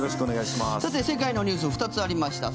さて、世界のニュース２つありました。